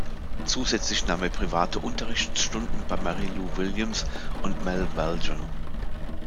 Zusätzlich nahm er private Unterrichtsstunden bei Mary Lou Williams und Mal Waldron.